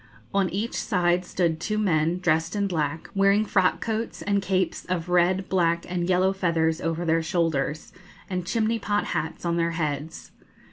On each side stood two men, dressed in black, wearing frock coats, and capes of red, black, and yellow feathers over their shoulders, and chimney pot hats on their heads.